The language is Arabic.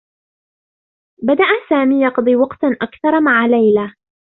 بدأ سامي يقضي وقتا أكثر مع ليلى.